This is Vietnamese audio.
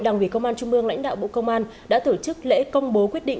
đảng ủy công an trung ương lãnh đạo bộ công an đã tổ chức lễ công bố quyết định